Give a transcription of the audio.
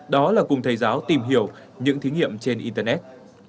đó là cùng thầy giáo tìm hiểu những thí nghiệm trên internet